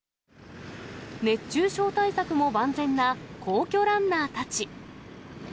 熱中症対策も万全な皇居ランナーたち。